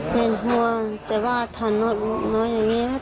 เว่นหัวแต่ว่าถนนอุน้อยอย่างเงี้ย